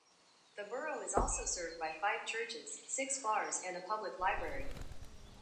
The borough is also served by five churches, six bars, and a public library.